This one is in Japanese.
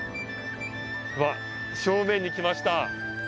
うわっ正面に来ました。